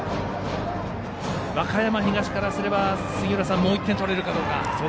和歌山東からすれば、杉浦さんもう１点取れるかどうか。